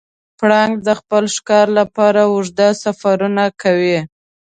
پړانګ د خپل ښکار لپاره اوږده سفرونه کوي.